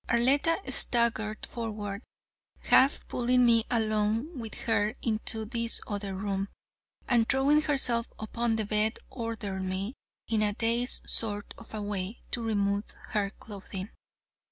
Arletta staggered forward, half pulling me along with her into this other room, and throwing herself upon the bed, ordered me, in a dazed sort of a way, to remove her clothing.